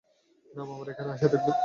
না, মামারা এখানে এসে থাকবেন।